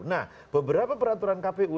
nah beberapa peraturan kpu